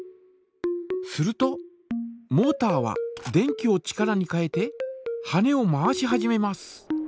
するとモータは電気を力に変えて羽根を回し始めます。